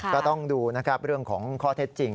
ก็ต้องดูนะครับเรื่องของข้อเท็จจริง